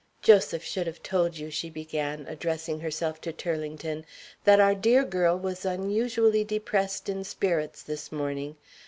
"Joseph should have told you," she began, addressing herself to Turlington, "that our dear girl was unusually depressed in spirits this morning.